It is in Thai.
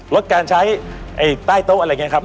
ลดการใช้ใต้โต๊ะอะไรไงครับ